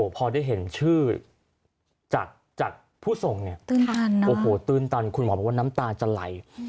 พอได้เห็นชื่อผู้ส่งนี้ตื่นตันนะคุณหมอบอกว่าน้ำตาจะไหล